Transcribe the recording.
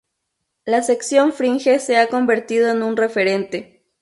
La sección Fringe se ha convertido en un referente.